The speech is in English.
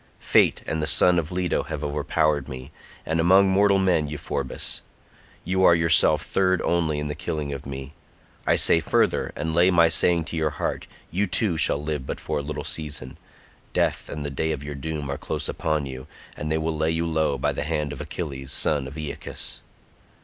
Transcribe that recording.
Fate and the son of Leto have overpowered me, and among mortal men Euphorbus; you are yourself third only in the killing of me. I say further, and lay my saying to your heart, you too shall live but for a little season; death and the day of your doom are close upon you, and they will lay you low by the hand of Achilles son of Aeacus."